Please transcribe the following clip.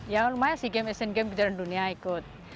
ya lumayan sih game game kejaran dunia ikut